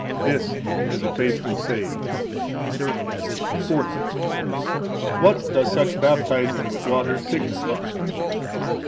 This is a faithful saying. Fourthly. What does such baptizing with water signify?